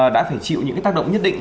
đã phải chịu những cái tác động nhất định